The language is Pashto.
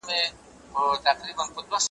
شګوفې مو لکه اوښکي د خوښیو `